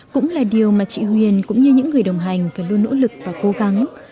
cũng là điều mà chị huyền cũng như những người đồng hành phải luôn nỗ lực và cố gắng